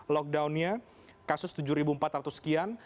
lockdownnya kasus tujuh empat ratus sekian